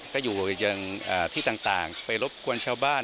ก็อยู่ที่ต่างไปรบกวนชาวบ้าน